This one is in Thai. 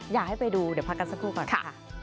อยากให้ไปดูเดี๋ยวพักกันสักครู่ก่อนค่ะ